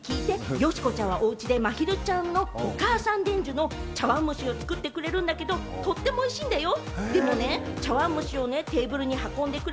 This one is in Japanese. よしこちゃんはお家でまひるちゃんのお母さん伝授の茶碗蒸しを作ってくれるんだけれども、とってもおいしいんだよ。